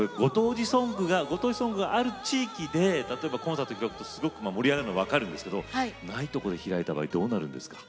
ご当地ソングがある地域で例えばコンサート開くとすごく盛り上がるの分かるんですけどないとこで開いた場合どうなるんですか？